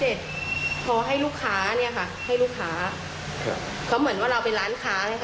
เพราะให้ลูกค้าเขาเหมือนว่าเราเป็นร้านค้า